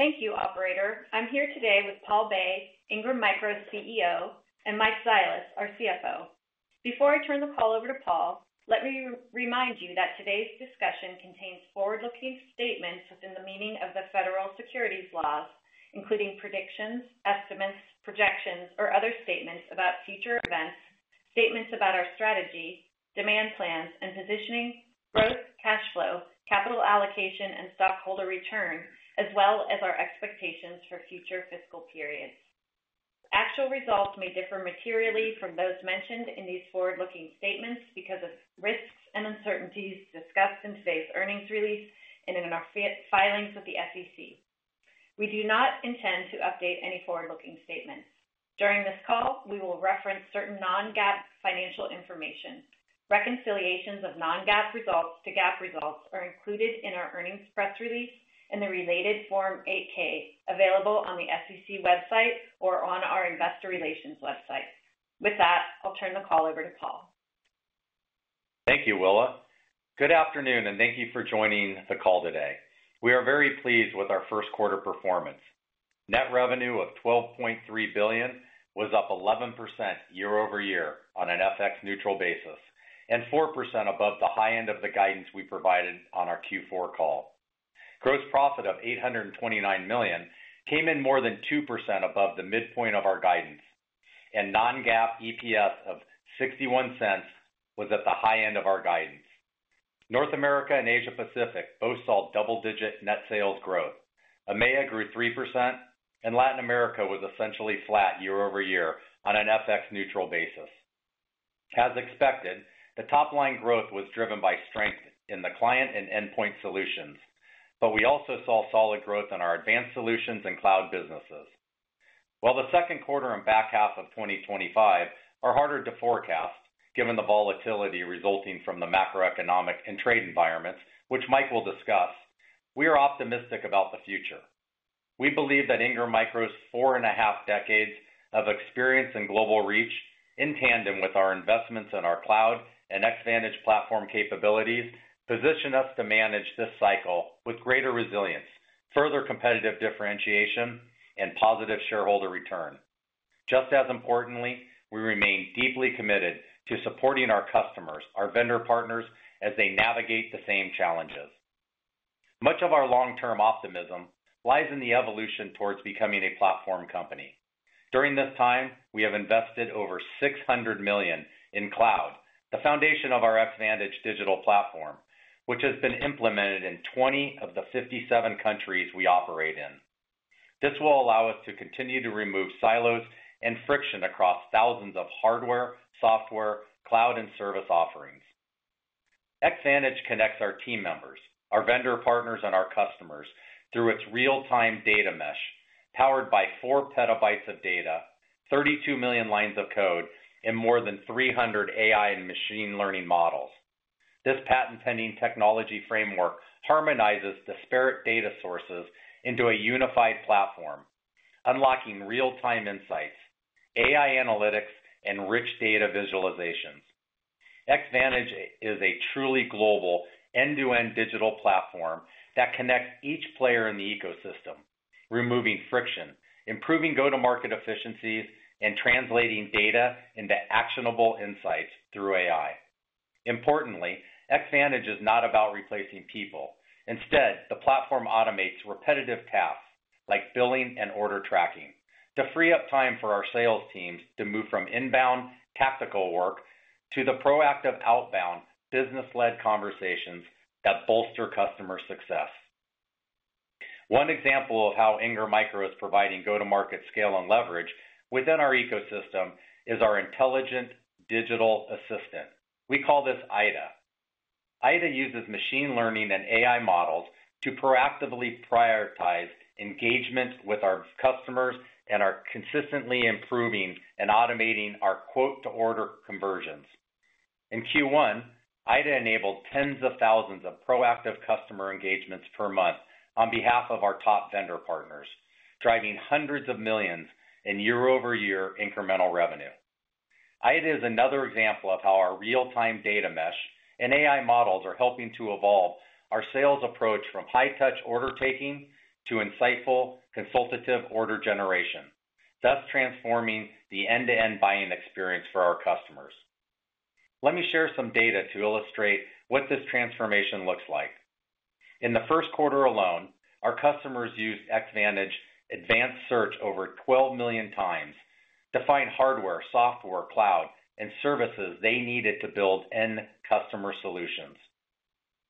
Thank you, Operator. I'm here today with Paul Bay, Ingram Micro's CEO, and Mike Zilis, our CFO. Before I turn the call over to Paul, let me remind you that today's discussion contains forward-looking statements within the meaning of the federal securities laws, including predictions, estimates, projections, or other statements about future events, statements about our strategy, demand plans, and positioning, growth, cash flow, capital allocation, and stockholder return, as well as our expectations for future fiscal periods. Actual results may differ materially from those mentioned in these forward-looking statements because of risks and uncertainties discussed in today's earnings release and in our filings with the SEC. We do not intend to update any forward-looking statements. During this call, we will reference certain non-GAAP financial information. Reconciliations of non-GAAP results to GAAP results are included in our earnings press release and the related Form 8-K available on the SEC website or on our investor relations website. With that, I'll turn the call over to Paul. Thank you, Willa. Good afternoon, and thank you for joining the call today. We are very pleased with our first quarter performance. Net revenue of $12.3 billion was up 11% year-over-year on an FX-neutral basis and 4% above the high end of the guidance we provided on our Q4 call. Gross profit of $829 million came in more than 2% above the midpoint of our guidance, and non-GAAP EPS of $0.61 was at the high end of our guidance. North America and Asia-Pacific both saw double-digit net sales growth. AMEA grew 3%, and Latin America was essentially flat year-over-year on an FX-neutral basis. As expected, the top-line growth was driven by strength in the client and endpoint solutions, but we also saw solid growth in our advanced solutions and cloud businesses. While the second quarter and back half of 2025 are harder to forecast given the volatility resulting from the macroeconomic and trade environments, which Mike will discuss, we are optimistic about the future. We believe that Ingram Micro's four and a half decades of experience and global reach, in tandem with our investments in our cloud and Xvantage platform capabilities, position us to manage this cycle with greater resilience, further competitive differentiation, and positive shareholder return. Just as importantly, we remain deeply committed to supporting our customers, our vendor partners, as they navigate the same challenges. Much of our long-term optimism lies in the evolution towards becoming a platform company. During this time, we have invested over $600 million in cloud, the foundation of our Xvantage digital platform, which has been implemented in 20 of the 57 countries we operate in. This will allow us to continue to remove silos and friction across thousands of hardware, software, cloud, and service offerings. Xvantage connects our team members, our vendor partners, and our customers through its real-time data mesh powered by 4 PB of data, 32 million lines of code, and more than 300 AI and machine learning models. This patent-pending technology framework harmonizes disparate data sources into a unified platform, unlocking real-time insights, AI analytics, and rich data visualizations. Xvantage is a truly global end-to-end digital platform that connects each player in the ecosystem, removing friction, improving go-to-market efficiencies, and translating data into actionable insights through AI. Importantly, Xvantage is not about replacing people. Instead, the platform automates repetitive tasks like billing and order tracking to free up time for our sales teams to move from inbound tactical work to the proactive outbound business-led conversations that bolster customer success. One example of how Ingram Micro is providing go-to-market scale and leverage within our ecosystem is our intelligent digital assistant. We call this IDA. IDA uses machine learning and AI models to proactively prioritize engagement with our customers and are consistently improving and automating our quote-to-order conversions. In Q1, IDA enabled tens of thousands of proactive customer engagements per month on behalf of our top vendor partners, driving hundreds of millions in year-over-year incremental revenue. IDA is another example of how our real-time data mesh and AI models are helping to evolve our sales approach from high-touch order taking to insightful consultative order generation, thus transforming the end-to-end buying experience for our customers. Let me share some data to illustrate what this transformation looks like. In the first quarter alone, our customers used Xvantage Advanced Search over 12 million times to find hardware, software, cloud, and services they needed to build end-customer solutions.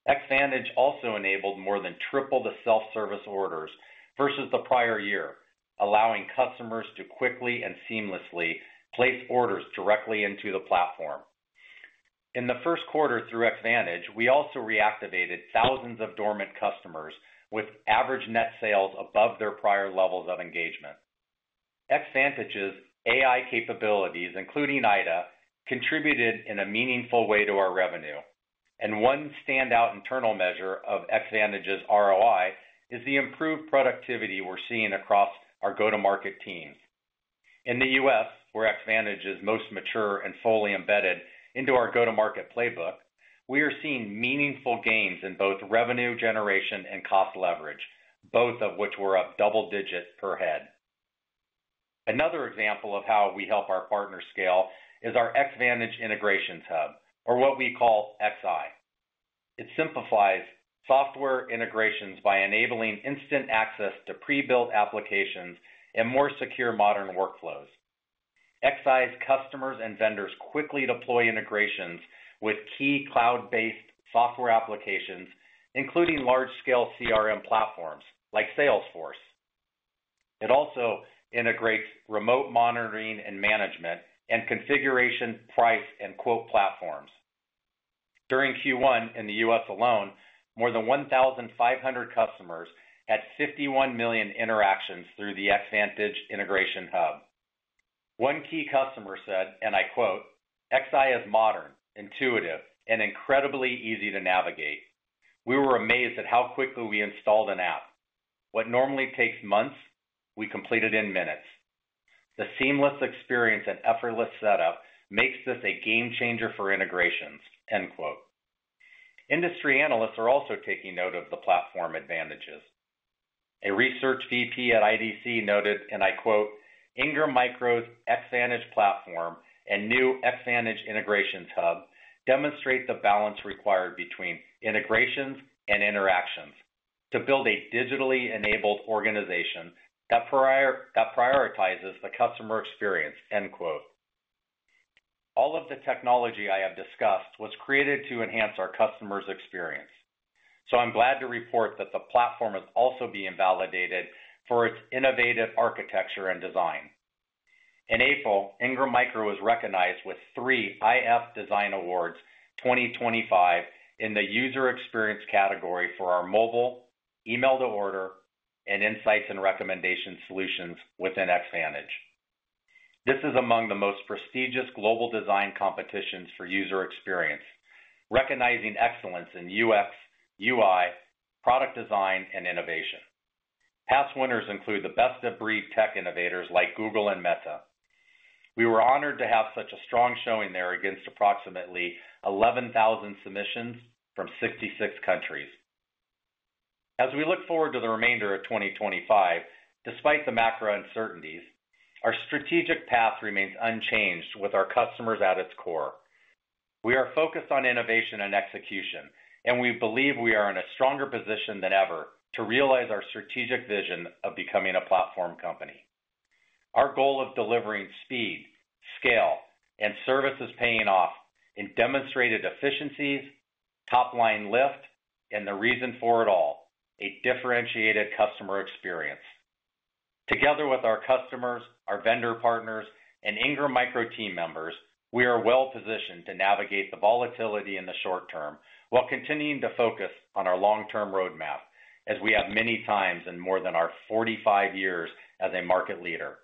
Xvantage also enabled more than triple the self-service orders versus the prior year, allowing customers to quickly and seamlessly place orders directly into the platform. In the first quarter through Xvantage, we also reactivated thousands of dormant customers with average net sales above their prior levels of engagement. Xvantage's AI capabilities, including IDA, contributed in a meaningful way to our revenue. One standout internal measure of Xvantage's ROI is the improved productivity we are seeing across our go-to-market teams. In the U.S., where Xvantage is most mature and fully embedded into our go-to-market playbook, we are seeing meaningful gains in both revenue generation and cost leverage, both of which were up double digits per head. Another example of how we help our partners scale is our Xvantage Integrations Hub, or what we call XI. It simplifies software integrations by enabling instant access to pre-built applications and more secure modern workflows. XI's customers and vendors quickly deploy integrations with key cloud-based software applications, including large-scale CRM platforms like Salesforce. It also integrates remote monitoring and management and configuration, price, and quote platforms. During Q1 in the U.S. alone, more than 1,500 customers had 51 million interactions through the Xvantage Integrations Hub. One key customer said, and I quote, "XI is modern, intuitive, and incredibly easy to navigate. We were amazed at how quickly we installed an app. What normally takes months, we completed in minutes. The seamless experience and effortless setup makes this a game changer for integrations," end quote. Industry analysts are also taking note of the platform advantages. A research VP at IDC noted, and I quote, "Ingram Micro's Xvantage platform and new Xvantage Integrations Hub demonstrate the balance required between integrations and interactions to build a digitally enabled organization that prioritizes the customer experience," end quote. All of the technology I have discussed was created to enhance our customers' experience. I am glad to report that the platform is also being validated for its innovative architecture and design. In April, Ingram Micro was recognized with three IF Design Awards 2025 in the user experience category for our mobile, email-to-order, and insights and recommendation solutions within Xvantage. This is among the most prestigious global design competitions for user experience, recognizing excellence in UX/UI, product design, and innovation. Past winners include the best-of-breed tech innovators like Google and Meta. We were honored to have such a strong showing there against approximately 11,000 submissions from 66 countries. As we look forward to the remainder of 2025, despite the macro uncertainties, our strategic path remains unchanged with our customers at its core. We are focused on innovation and execution, and we believe we are in a stronger position than ever to realize our strategic vision of becoming a platform company. Our goal of delivering speed, scale, and services is paying off in demonstrated efficiencies, top-line lift, and the reason for it all, a differentiated customer experience. Together with our customers, our vendor partners, and Ingram Micro team members, we are well-positioned to navigate the volatility in the short term while continuing to focus on our long-term roadmap as we have many times in more than our 45 years as a market leader.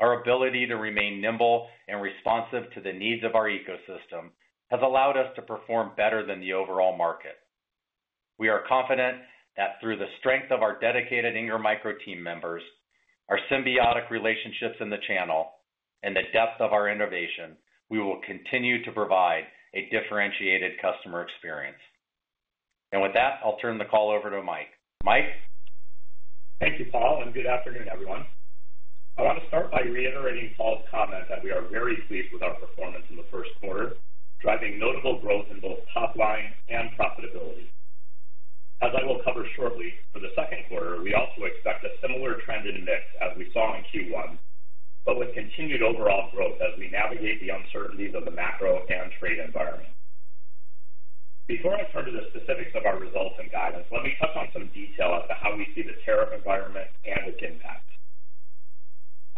Our ability to remain nimble and responsive to the needs of our ecosystem has allowed us to perform better than the overall market. We are confident that through the strength of our dedicated Ingram Micro team members, our symbiotic relationships in the channel, and the depth of our innovation, we will continue to provide a differentiated customer experience. With that, I'll turn the call over to Mike. Mike. Thank you, Paul, and good afternoon, everyone. I want to start by reiterating Paul's comment that we are very pleased with our performance in the first quarter, driving notable growth in both top-line and profitability. As I will cover shortly, for the second quarter, we also expect a similar trend in mix as we saw in Q1, but with continued overall growth as we navigate the uncertainties of the macro and trade environment. Before I turn to the specifics of our results and guidance, let me touch on some detail as to how we see the tariff environment and its impact.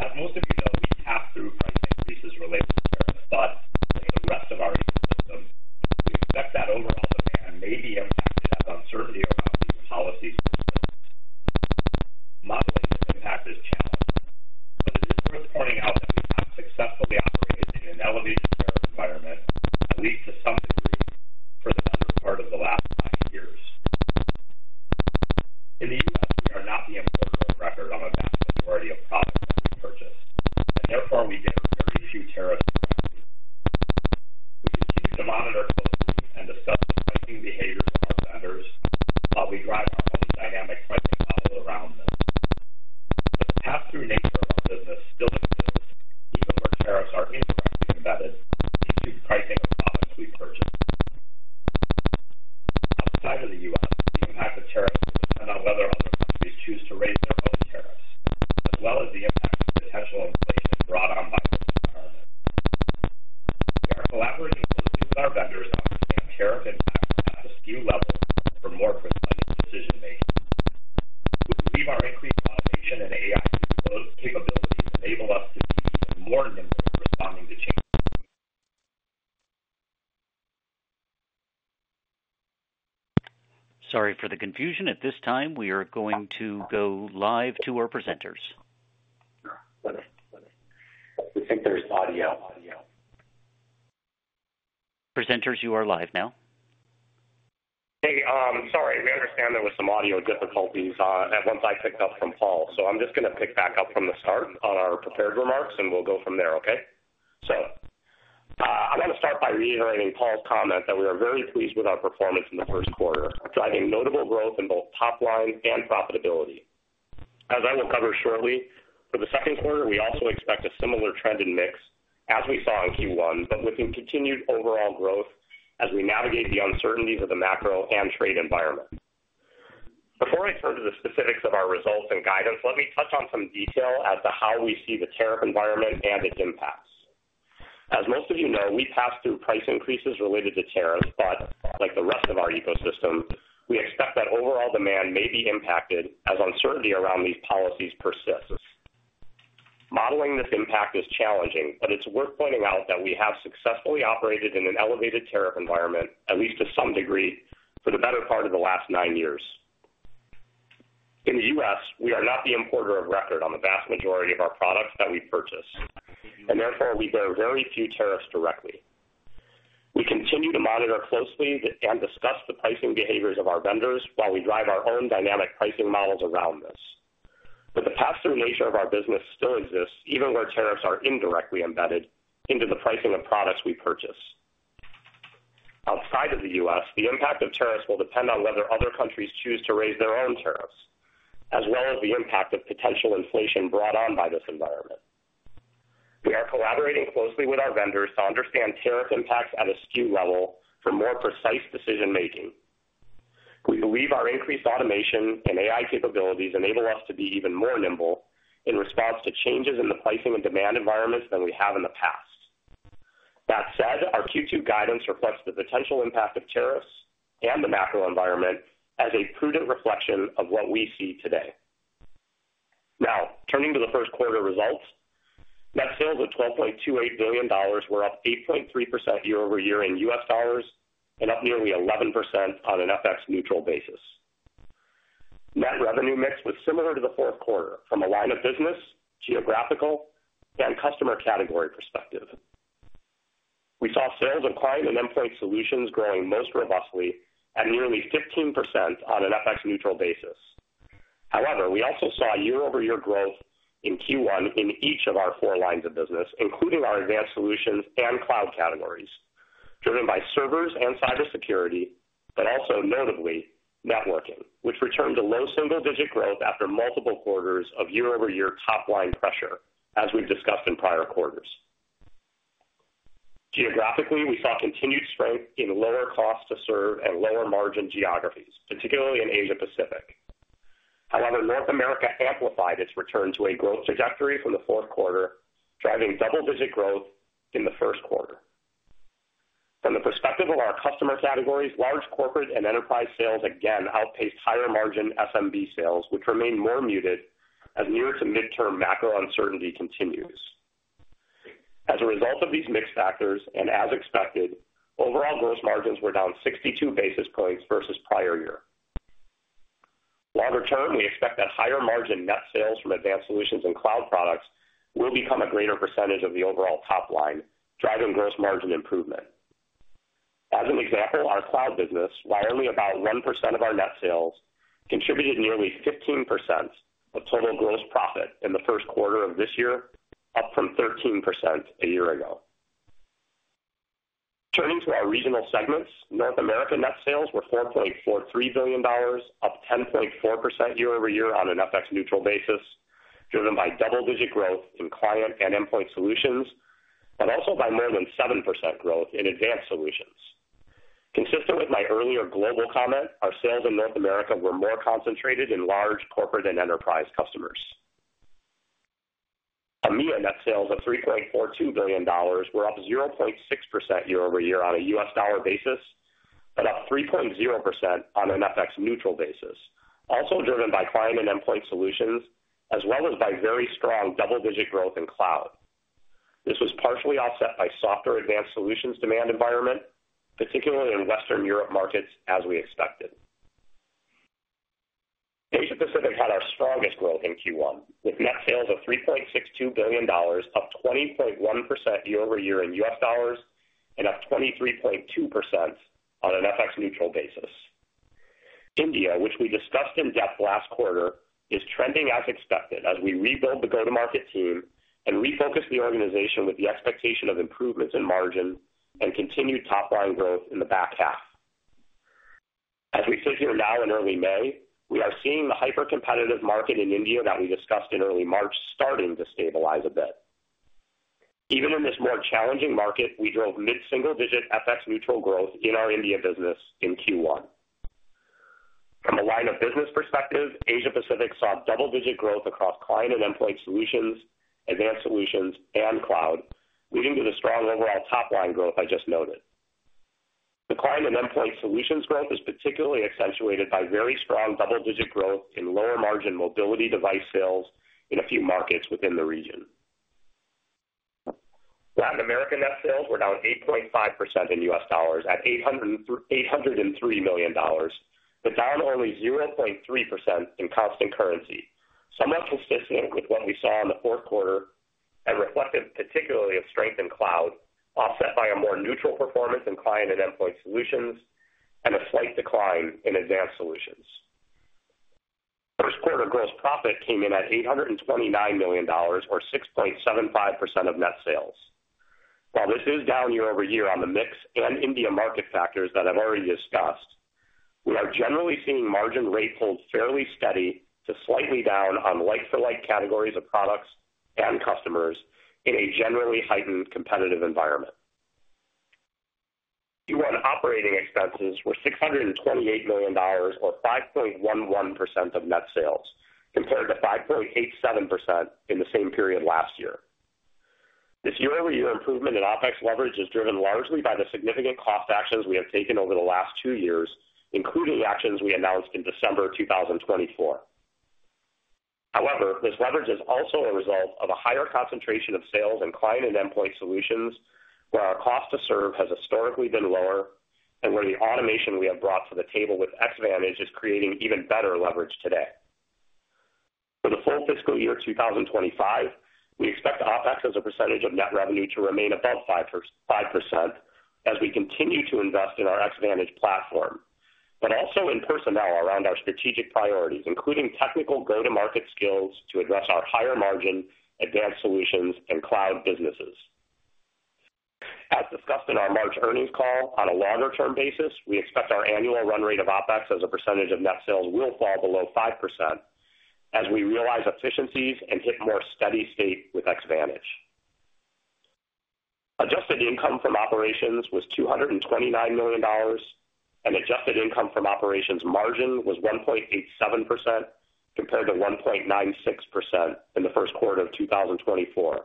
As most of you know, we pass through price increases related to tariffs, but with the rest of our ecosystem, we expect that overall demand may be impacted as uncertainty around these policies persists. Modulating impact is challenging, but it is worth pointing out that we have successfully operated in an elevated tariff environment, at least to some degree, for the better part of the last five years. In the U.S., we are not the importer of record on a vast majority of products that we purchase, and therefore we get very few tariffs granted. We continue to monitor closely and discuss the pricing behaviors of our vendors while we drive our own dynamic pricing model around this. This pass-through nature of our business still exists, even where tariffs are incorrectly embedded due to pricing of products we purchase. Outside of the U.S., the impact of tariffs will depend on whether other countries choose to raise their own tariffs, as well as the impact of potential inflation brought on by this environment. We are collaborating closely with our vendors to understand tariff impacts at the SKU level for more precise decision-making. We believe our increased validation and AI capabilities enable us to be even more nimble in responding to changes. Sorry for the confusion. At this time, we are going to go live to our presenters. We think there's audio. Presenters, you are live now. Hey, sorry. We understand there were some audio difficulties once I picked up from Paul. I'm just going to pick back up from the start on our prepared remarks, and we'll go from there, okay? I'm going to start by reiterating Paul's comment that we are very pleased with our performance in the first quarter, driving notable growth in both top-line and profitability. As I will cover shortly, for the second quarter, we also expect a similar trend in mix as we saw in Q1, but with continued overall growth as we navigate the uncertainties of the macro and trade environment. Before I turn to the specifics of our results and guidance, let me touch on some detail as to how we see the tariff environment and its impacts. As most of you know, we pass through price increases related to tariffs, but like the rest of our ecosystem, we expect that overall demand may be impacted as uncertainty around these policies persists. Modeling this impact is challenging, but it's worth pointing out that we have successfully operated in an elevated tariff environment, at least to some degree, for the better part of the last nine years. In the U.S., we are not the importer of record on the vast majority of our products that we purchase, and therefore we bear very few tariffs directly. We continue to monitor closely and discuss the pricing behaviors of our vendors while we drive our own dynamic pricing models around this. The pass-through nature of our business still exists, even where tariffs are indirectly embedded into the pricing of products we purchase. Outside of the U.S., the impact of tariffs will depend on whether other countries choose to raise their own tariffs, as well as the impact of potential inflation brought on by this environment. We are collaborating closely with our vendors to understand tariff impacts at a SKU level for more precise decision-making. We believe our increased automation and AI capabilities enable us to be even more nimble in response to changes in the pricing and demand environments than we have in the past. That said, our Q2 guidance reflects the potential impact of tariffs and the macro environment as a prudent reflection of what we see today. Now, turning to the first quarter results, net sales of $12.28 billion were up 8.3% year-over-year in U.S. dollars and up nearly 11% on an FX-neutral basis. Net revenue mix was similar to the fourth quarter from a line of business, geographical, and customer category perspective. We saw sales of client and endpoint solutions growing most robustly at nearly 15% on an FX-neutral basis. However, we also saw year-over-year growth in Q1 in each of our four lines of business, including our advanced solutions and cloud categories, driven by servers and cybersecurity, but also notably networking, which returned to low single-digit growth after multiple quarters of year-over-year top-line pressure, as we've discussed in prior quarters. Geographically, we saw continued strength in lower cost-to-serve and lower-margin geographies, particularly in Asia-Pacific. However, North America amplified its return to a growth trajectory from the fourth quarter, driving double-digit growth in the first quarter. From the perspective of our customer categories, large corporate and enterprise sales again outpaced higher-margin SMB sales, which remain more muted as near-to-mid-term macro uncertainty continues. As a result of these mixed factors and as expected, overall gross margins were down 62 basis points versus prior year. Longer term, we expect that higher-margin net sales from advanced solutions and cloud products will become a greater percentage of the overall top line, driving gross margin improvement. As an example, our cloud business, by only about 1% of our net sales, contributed nearly 15% of total gross profit in the first quarter of this year, up from 13% a year ago. Turning to our regional segments, North America net sales were $4.43 billion, up 10.4% year-over-year on an FX-neutral basis, driven by double-digit growth in client and endpoint solutions, but also by more than 7% growth in advanced solutions. Consistent with my earlier global comment, our sales in North America were more concentrated in large corporate and enterprise customers. AMEA net sales of $3.42 billion were up 0.6% year-over-year on a US dollar basis, but up 3.0% on an FX-neutral basis, also driven by client and endpoint solutions, as well as by very strong double-digit growth in cloud. This was partially offset by softer advanced solutions demand environment, particularly in Western Europe markets, as we expected. Asia-Pacific had our strongest growth in Q1, with net sales of $3.62 billion, up 20.1% year-over-year in US dollars and up 23.2% on an FX-neutral basis. India, which we discussed in depth last quarter, is trending as expected as we rebuild the go-to-market team and refocus the organization with the expectation of improvements in margin and continued top-line growth in the back half. As we sit here now in early May, we are seeing the hyper-competitive market in India that we discussed in early March starting to stabilize a bit. Even in this more challenging market, we drove mid-single-digit FX-neutral growth in our India business in Q1. From a line of business perspective, Asia-Pacific saw double-digit growth across client and endpoint solutions, advanced solutions, and cloud, leading to the strong overall top-line growth I just noted. The client and endpoint solutions growth is particularly accentuated by very strong double-digit growth in lower-margin mobility device sales in a few markets within the region. Latin America net sales were down 8.5% in US dollars at $803 million, but down only 0.3% in constant currency, somewhat consistent with what we saw in the fourth quarter and reflective particularly of strength in cloud, offset by a more neutral performance in client and endpoint solutions and a slight decline in advanced solutions. First quarter gross profit came in at $829 million, or 6.75% of net sales. While this is down year-over-year on the mix and India market factors that I've already discussed, we are generally seeing margin rate hold fairly steady to slightly down on like-for-like categories of products and customers in a generally heightened competitive environment. Q1 operating expenses were $628 million, or 5.11% of net sales, compared to 5.87% in the same period last year. This year-over-year improvement in OPEX leverage is driven largely by the significant cost actions we have taken over the last two years, including actions we announced in December 2024. However, this leverage is also a result of a higher concentration of sales and client and endpoint solutions, where our cost-to-serve has historically been lower and where the automation we have brought to the table with Xvantage is creating even better leverage today. For the full fiscal year 2025, we expect OPEX as a percentage of net revenue to remain above 5% as we continue to invest in our Xvantage platform, but also in personnel around our strategic priorities, including technical go-to-market skills to address our higher-margin advanced solutions and cloud businesses. As discussed in our March earnings call, on a longer-term basis, we expect our annual run rate of OPEX as a percentage of net sales will fall below 5% as we realize efficiencies and hit more steady state with Xvantage. Adjusted income from operations was $229 million, and adjusted income from operations margin was 1.87% compared to 1.96% in the first quarter of 2024,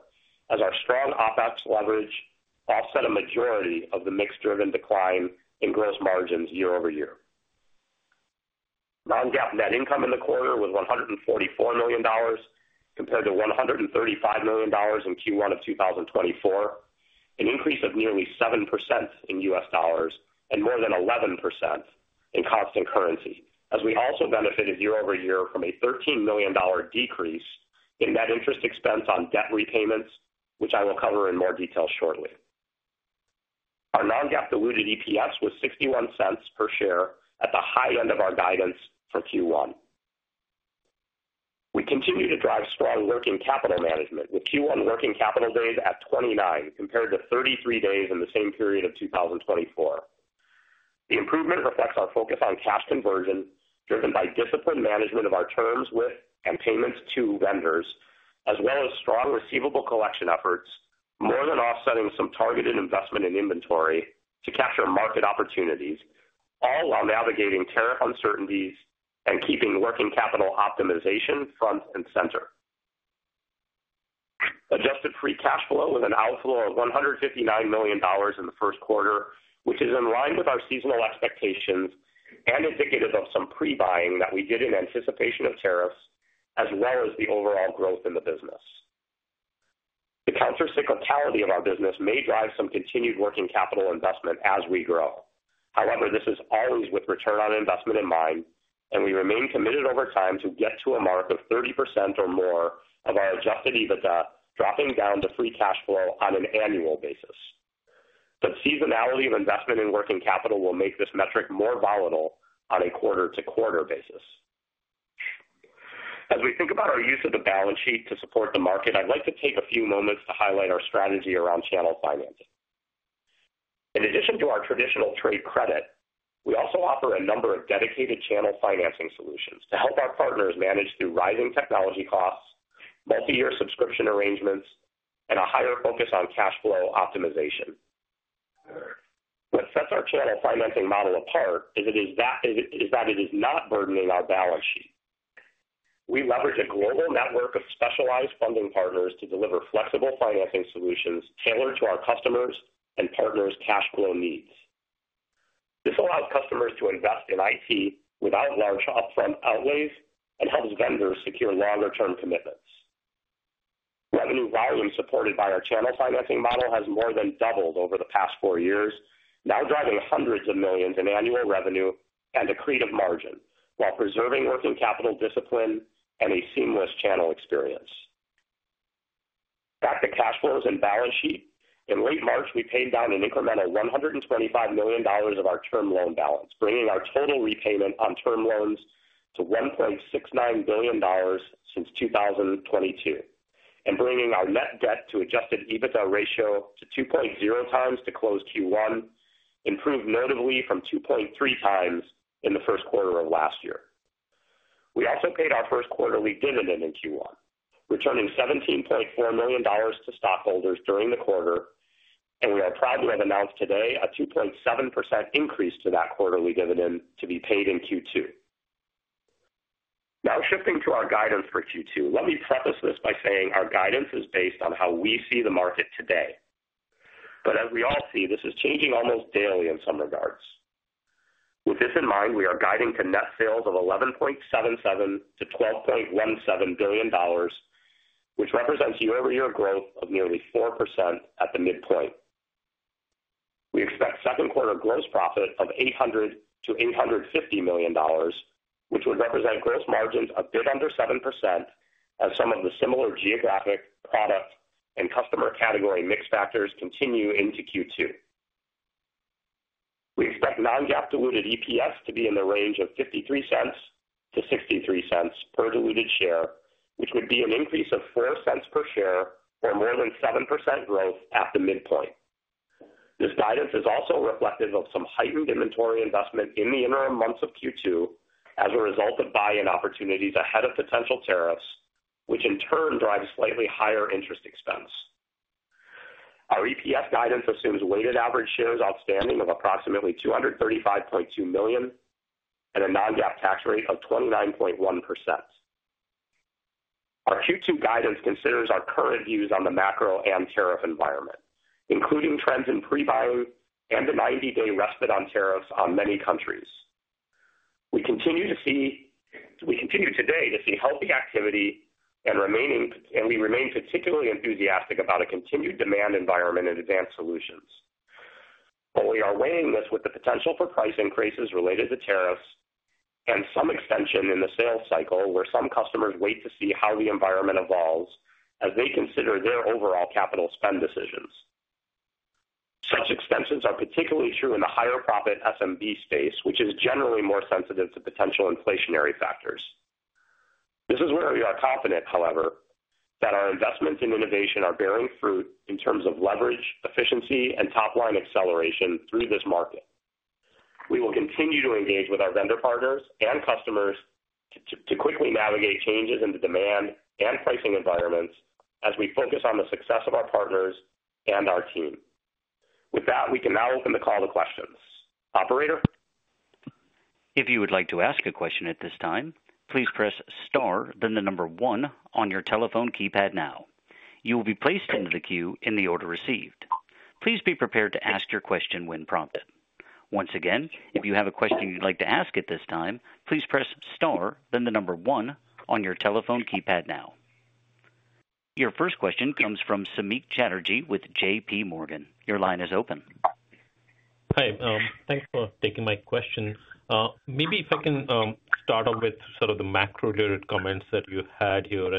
as our strong OPEX leverage offset a majority of the mixed-driven decline in gross margins year-over-year. Non-GAAP net income in the quarter was $144 million compared to $135 million in Q1 of 2024, an increase of nearly 7% in US dollars and more than 11% in constant currency, as we also benefited year-over-year from a $13 million decrease in net interest expense on debt repayments, which I will cover in more detail shortly. Our non-GAAP diluted EPS was $0.61 per share at the high end of our guidance for Q1. We continue to drive strong working capital management, with Q1 working capital days at 29 compared to 33 days in the same period of 2024. The improvement reflects our focus on cash conversion, driven by disciplined management of our terms with and payments to vendors, as well as strong receivable collection efforts, more than offsetting some targeted investment in inventory to capture market opportunities, all while navigating tariff uncertainties and keeping working capital optimization front and center. Adjusted free cash flow was an outflow of $159 million in the first quarter, which is in line with our seasonal expectations and indicative of some pre-buying that we did in anticipation of tariffs, as well as the overall growth in the business. The countercyclicality of our business may drive some continued working capital investment as we grow. However, this is always with return on investment in mind, and we remain committed over time to get to a mark of 30% or more of our adjusted EBITDA dropping down to free cash flow on an annual basis. Seasonality of investment in working capital will make this metric more volatile on a quarter-to-quarter basis. As we think about our use of the balance sheet to support the market, I'd like to take a few moments to highlight our strategy around channel financing. In addition to our traditional trade credit, we also offer a number of dedicated channel financing solutions to help our partners manage through rising technology costs, multi-year subscription arrangements, and a higher focus on cash flow optimization. What sets our channel financing model apart is that it is not burdening our balance sheet. We leverage a global network of specialized funding partners to deliver flexible financing solutions tailored to our customers' and partners' cash flow needs. This allows customers to invest in IT without large upfront outlays and helps vendors secure longer-term commitments. Revenue volume supported by our channel financing model has more than doubled over the past four years, now driving hundreds of millions in annual revenue and a creative margin while preserving working capital discipline and a seamless channel experience. Back to cash flows and balance sheet, in late March, we paid down an incremental $125 million of our term loan balance, bringing our total repayment on term loans to $1.69 billion since 2022, and bringing our net debt to adjusted EBITDA ratio to 2.0 times to close Q1, improved notably from 2.3 times in the first quarter of last year. We also paid our first quarterly dividend in Q1, returning $17.4 million to stockholders during the quarter, and we are proud to have announced today a 2.7% increase to that quarterly dividend to be paid in Q2. Now, shifting to our guidance for Q2, let me preface this by saying our guidance is based on how we see the market today. As we all see, this is changing almost daily in some regards. With this in mind, we are guiding to net sales of $11.77 billion-$12.17 billion, which represents year-over-year growth of nearly 4% at the midpoint. We expect second quarter gross profit of $800 million-$850 million, which would represent gross margins a bit under 7% as some of the similar geographic, product, and customer category mix factors continue into Q2. We expect non-GAAP diluted EPS to be in the range of $0.53-$0.63 per diluted share, which would be an increase of $0.04 per share for more than 7% growth at the midpoint. This guidance is also reflective of some heightened inventory investment in the interim months of Q2 as a result of buy-in opportunities ahead of potential tariffs, which in turn drives slightly higher interest expense. Our EPS guidance assumes weighted average shares outstanding of approximately $235.2 million and a non-GAAP tax rate of 29.1%. Our Q2 guidance considers our current views on the macro and tariff environment, including trends in pre-buying and the 90-day rest on tariffs on many countries. We continue today to see healthy activity, and we remain particularly enthusiastic about a continued demand environment in advanced solutions. We are weighing this with the potential for price increases related to tariffs and some extension in the sales cycle where some customers wait to see how the environment evolves as they consider their overall capital spend decisions. Such extensions are particularly true in the higher profit SMB space, which is generally more sensitive to potential inflationary factors. This is where we are confident, however, that our investments in innovation are bearing fruit in terms of leverage, efficiency, and top-line acceleration through this market. We will continue to engage with our vendor partners and customers to quickly navigate changes in the demand and pricing environments as we focus on the success of our partners and our team. With that, we can now open the call to questions. Operator? If you would like to ask a question at this time, please press Star, then the number 1 on your telephone keypad now. You will be placed into the queue in the order received. Please be prepared to ask your question when prompted. Once again, if you have a question you'd like to ask at this time, please press Star, then the number 1 on your telephone keypad now. Your first question comes from Samik Chatterjee with JPMorgan. Your line is open. Hi. Thanks for taking my question. Maybe if I can start off with sort of the macro-related comments that you had here.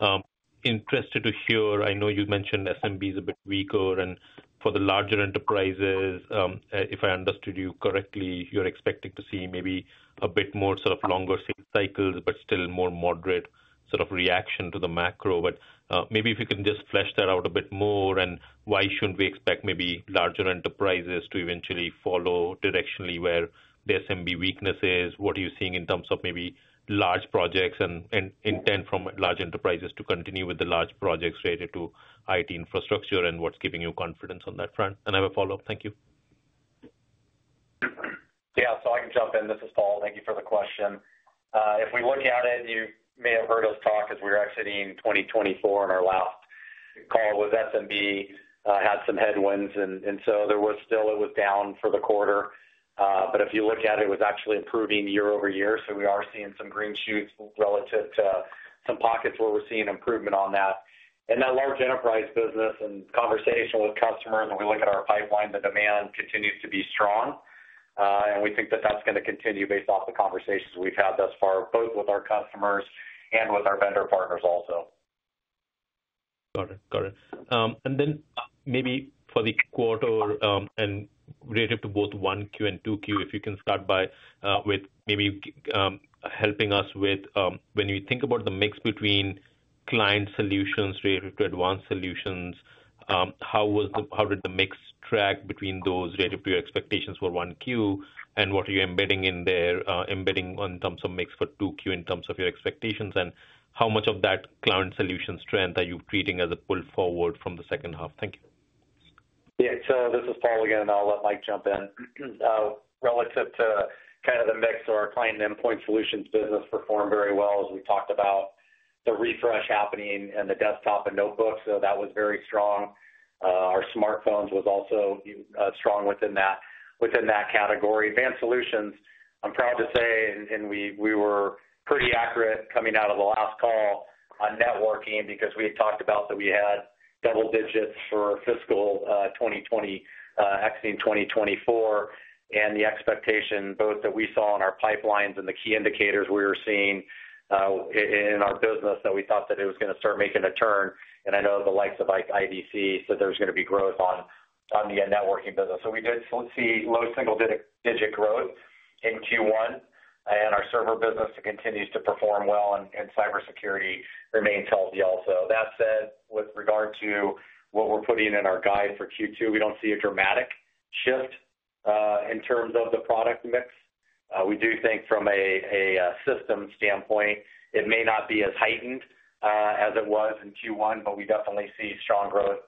I'm interested to hear—I know you mentioned SMBs a bit weaker, and for the larger enterprises, if I understood you correctly, you're expecting to see maybe a bit more sort of longer sales cycles, but still more moderate sort of reaction to the macro. Maybe if you can just flesh that out a bit more, and why shouldn't we expect maybe larger enterprises to eventually follow directionally where the SMB weakness is? What are you seeing in terms of maybe large projects and intent from large enterprises to continue with the large projects related to IT infrastructure and what is giving you confidence on that front? I have a follow-up. Thank you. Yeah. I can jump in. This is Paul. Thank you for the question. If we look at it, you may have heard us talk as we were exiting 2024, and our last call with SMB had some headwinds, so there was still—it was down for the quarter. If you look at it, it was actually improving year-over-year, so we are seeing some green shoots relative to some pockets where we are seeing improvement on that. In that large enterprise business and conversation with customers, when we look at our pipeline, the demand continues to be strong, and we think that that's going to continue based off the conversations we've had thus far, both with our customers and with our vendor partners also. Got it. Got it. Maybe for the quarter and relative to both 1Q and 2Q, if you can start with maybe helping us with when you think about the mix between client solutions related to advanced solutions, how did the mix track between those relative to your expectations for 1Q, and what are you embedding in there, embedding in terms of mix for 2Q in terms of your expectations, and how much of that client solution strength are you treating as a pull forward from the second half? Thank you. Yeah. This is Paul again, and I'll let Mike jump in. Relative to kind of the mix of our client endpoint solutions business performed very well, as we talked about the refresh happening and the desktop and notebooks, so that was very strong. Our smartphones was also strong within that category. Advanced solutions, I'm proud to say, and we were pretty accurate coming out of the last call on networking because we had talked about that we had double digits for fiscal 2020 exiting 2024, and the expectation both that we saw in our pipelines and the key indicators we were seeing in our business that we thought that it was going to start making a turn. I know the likes of IDC said there was going to be growth on the networking business. We did see low single-digit growth in Q1, and our server business continues to perform well, and cybersecurity remains healthy also. That said, with regard to what we're putting in our guide for Q2, we don't see a dramatic shift in terms of the product mix. We do think from a system standpoint, it may not be as heightened as it was in Q1, but we definitely see strong growth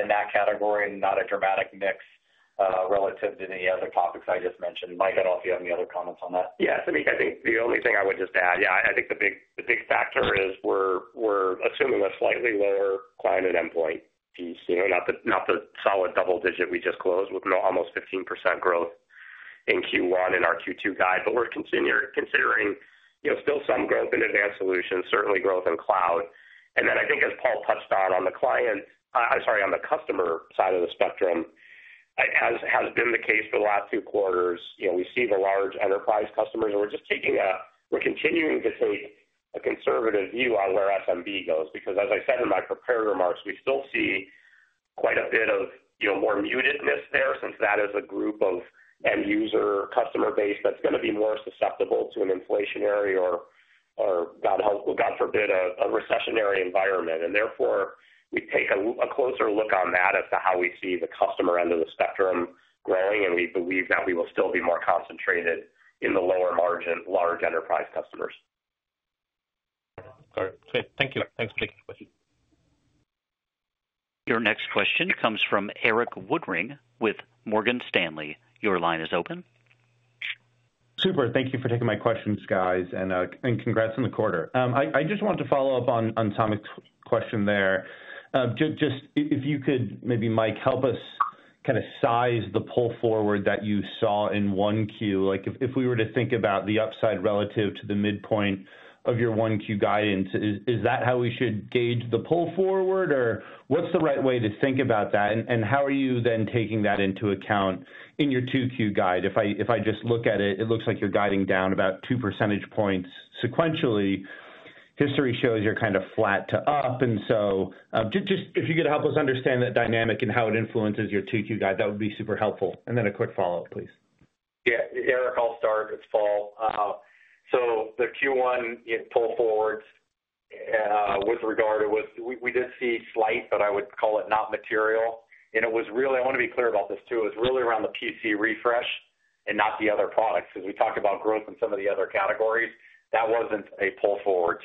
in that category and not a dramatic mix relative to any other topics I just mentioned. Mike, I don't know if you have any other comments on that. Yeah. Samik, I think the only thing I would just add, yeah, I think the big factor is we're assuming a slightly lower client endpoint piece, not the solid double-digit we just closed with almost 15% growth in Q1 in our Q2 guide, but we're considering still some growth in advanced solutions, certainly growth in cloud. I think, as Paul touched on, on the client—I'm sorry, on the customer side of the spectrum, it has been the case for the last two quarters. We see the large enterprise customers, and we're just taking a—we're continuing to take a conservative view on where SMB goes because, as I said in my prepared remarks, we still see quite a bit of more mutedness there since that is a group of end-user customer base that's going to be more susceptible to an inflationary or, God forbid, a recessionary environment. Therefore, we take a closer look on that as to how we see the customer end of the spectrum growing, and we believe that we will still be more concentrated in the lower-margin large enterprise customers. All right. Great. Thank you. Thanks for taking the question. Your next question comes from Erik Woodring with Morgan Stanley. Your line is open. Super. Thank you for taking my questions, guys, and congrats on the quarter. I just wanted to follow up on Tom's question there. Just if you could maybe, Mike, help us kind of size the pull forward that you saw in 1Q. If we were to think about the upside relative to the midpoint of your 1Q guidance, is that how we should gauge the pull forward, or what's the right way to think about that, and how are you then taking that into account in your 2Q guide? If I just look at it, it looks like you're guiding down about two percentage points sequentially. History shows you're kind of flat to up. Just if you could help us understand that dynamic and how it influences your 2Q guide, that would be super helpful. A quick follow-up, please. Yeah. Erik, I'll start. It's Paul. The Q1 pull forwards with regard to—we did see slight, but I would call it not material. I want to be clear about this too. It was really around the PC refresh and not the other products because we talked about growth in some of the other categories. That was not a pull forward.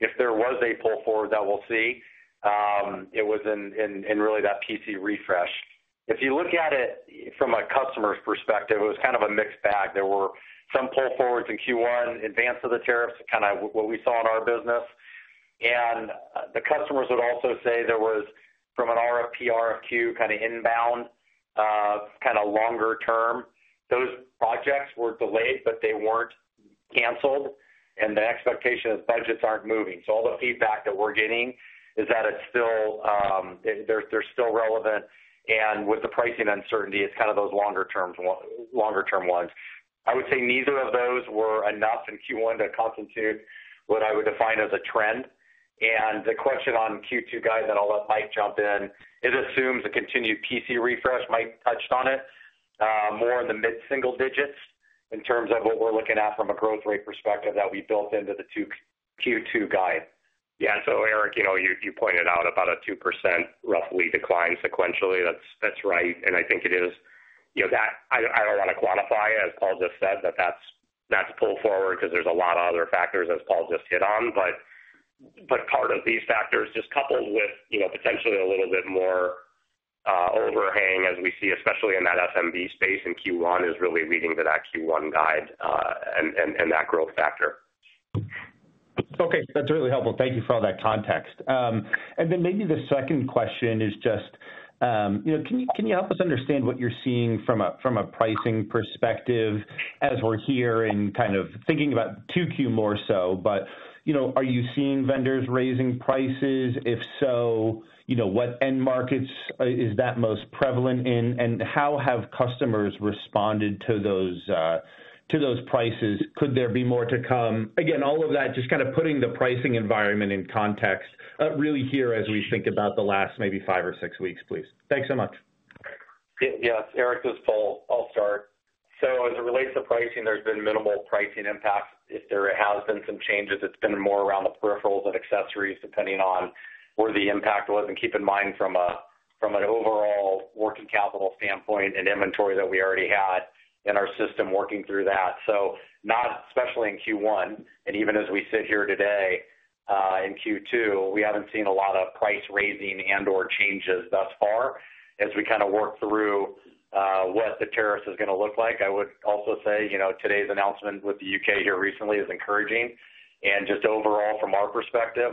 If there was a pull forward that we'll see, it was in really that PC refresh. If you look at it from a customer's perspective, it was kind of a mixed bag. There were some pull forwards in Q1 in advance of the tariffs, kind of what we saw in our business. The customers would also say there was, from an RFP/RFQ kind of inbound, kind of longer-term, those projects were delayed, but they were not canceled, and the expectation is budgets are not moving. All the feedback that we are getting is that it is still—they are still relevant. With the pricing uncertainty, it is kind of those longer-term ones. I would say neither of those were enough in Q1 to constitute what I would define as a trend. The question on Q2 guide that I will let Mike jump in, it assumes a continued PC refresh. Mike touched on it, more in the mid-single digits in terms of what we are looking at from a growth rate perspective that we built into the Q2 guide. Yeah. Eric, you pointed out about a 2% roughly decline sequentially. That's right. I think it is—I don't want to quantify it, as Paul just said, that that's pull forward because there's a lot of other factors, as Paul just hit on. Part of these factors, just coupled with potentially a little bit more overhang as we see, especially in that SMB space in Q1, is really leading to that Q1 guide and that growth factor. Okay. That's really helpful. Thank you for all that context. Maybe the second question is just, can you help us understand what you're seeing from a pricing perspective as we're here and kind of thinking about 2Q more so? Are you seeing vendors raising prices? If so, what end markets is that most prevalent in? How have customers responded to those prices? Could there be more to come? Again, all of that, just kind of putting the pricing environment in context, really here as we think about the last maybe five or six weeks, please. Thanks so much. Yeah. It's Eric; this is Paul. I'll start. As it relates to pricing, there's been minimal pricing impacts. If there have been some changes, it's been more around the peripherals and accessories, depending on where the impact was. Keep in mind, from an overall working capital standpoint and inventory that we already had in our system working through that, not especially in Q1. Even as we sit here today in Q2, we haven't seen a lot of price raising and/or changes thus far as we kind of work through what the tariffs is going to look like. I would also say today's announcement with the U.K. here recently is encouraging. Just overall, from our perspective,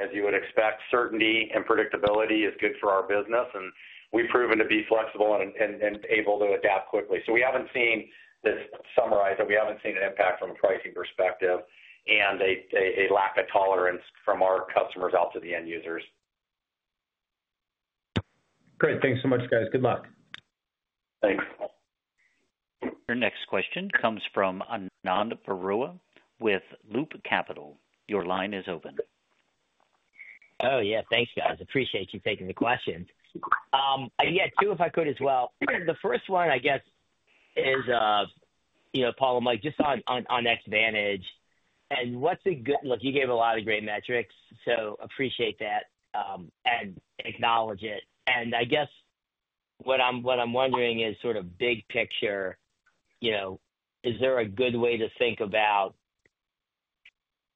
as you would expect, certainty and predictability is good for our business, and we've proven to be flexible and able to adapt quickly. We haven't seen, to summarize, that we haven't seen an impact from a pricing perspective and a lack of tolerance from our customers out to the end users. Great. Thanks so much, guys. Good luck. Thanks. Your next question comes from Ananda Baruah with Loop Capital. Your line is open. Oh, yeah. Thanks, guys. Appreciate you taking the questions. Yeah. Two, if I could as well. The first one, I guess, is Paul and Mike, just on Xvantage. Look, you gave a lot of great metrics, so appreciate that and acknowledge it. I guess what I'm wondering is, sort of big picture, is there a good way to think about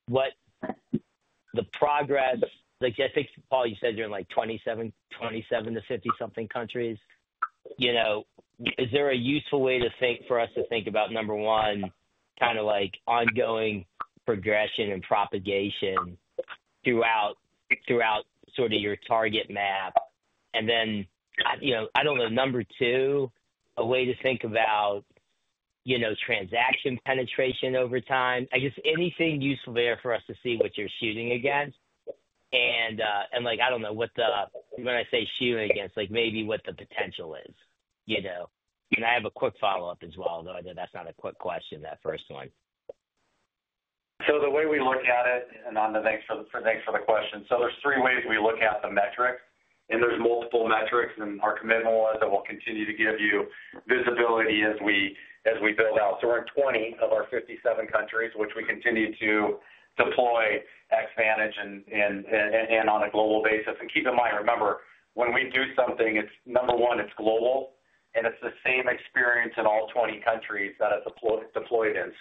the progress? I think, Paul, you said you're in like 27 to 50-something countries. Is there a useful way for us to think about, number one, kind of ongoing progression and propagation throughout sort of your target map? I don't know. Number two, a way to think about transaction penetration over time? I guess anything useful there for us to see what you're shooting against? I don't know what the—when I say shooting against, maybe what the potential is. I have a quick follow-up as well, though. I know that's not a quick question, that first one. The way we look at it, Anand, thanks for the question. There are three ways we look at the metrics, and there are multiple metrics. Our commitment was that we'll continue to give you visibility as we build out. We're in 20 of our 57 countries, which we continue to deploy Xvantage in on a global basis. Keep in mind, remember, when we do something, number one, it's global, and it's the same experience in all 20 countries that it's deployed in.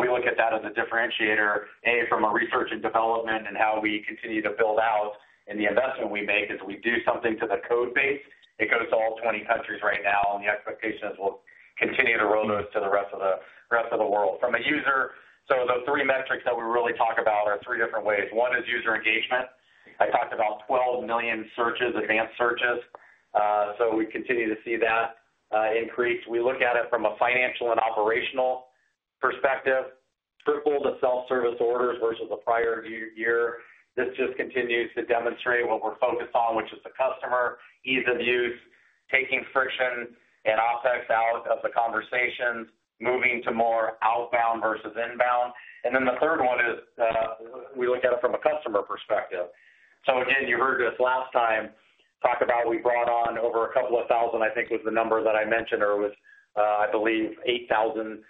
We look at that as a differentiator, A, from a research and development and how we continue to build out, and the investment we make as we do something to the code base. It goes to all 20 countries right now, and the expectation is we'll continue to roll those to the rest of the world. From a user, those three metrics that we really talk about are three different ways. One is user engagement. I talked about 12 million searches, advanced searches. We continue to see that increase. We look at it from a financial and operational perspective. Triple the self-service orders versus the prior year. This just continues to demonstrate what we're focused on, which is the customer, ease of use, taking friction and OpEx out of the conversations, moving to more outbound versus inbound. The third one is we look at it from a customer perspective. Again, you heard this last time, talk about we brought on over a couple of thousand, I think was the number that I mentioned, or it was, I believe, 8,000